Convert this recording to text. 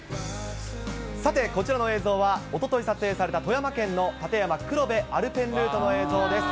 さて、こちらの映像は、おととい撮影された富山県の立山黒部アルペンルートの映像です。